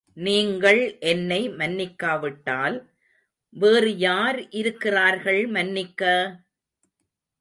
நீங்கள் என்னை மன்னிக்காவிட்டால் வேறு யார் இருக்கிறார்கள் மன்னிக்க!